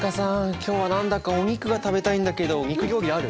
今日は何だかお肉が食べたいんだけど肉料理ある？